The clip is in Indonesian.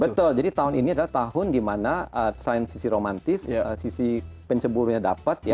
betul jadi tahun ini adalah tahun di mana selain sisi romantis sisi penceburunya dapat